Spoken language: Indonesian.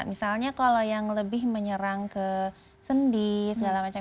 misalnya kalau yang lebih menyerang ke sendi segala macam